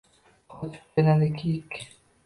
Qochib jo‘nadi kiyik